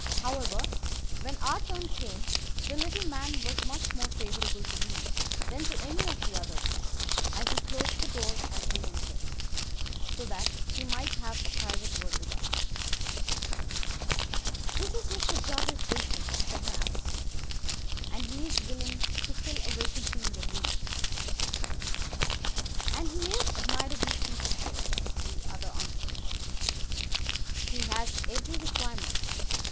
However, when our turn came the little man was much more favourable to me than to any of the others, and he closed the door as we entered, so that he might have a private word with us. "'This is Mr. Jabez Wilson,' said my assistant, 'and he is willing to fill a vacancy in the League.' "'And he is admirably suited for it,' the other answered. 'He has every requirement.